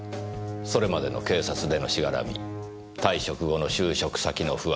それまでの警察でのしがらみ退職後の就職先の不安